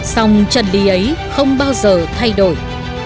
sông trần lý ấy không bao giờ thay đổi